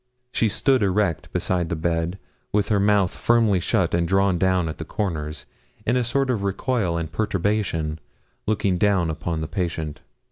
She stood erect beside the bed, with her mouth firmly shut and drawn down at the corners, in a sort of recoil and perturbation, looking down upon the patient.